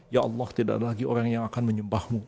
ya allah tidak ada lagi orang yang akan menyumbahmu